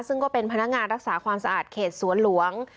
ซึ่งก็เป็นพนักงานรักษาความสะอาดเขตสวนหลวง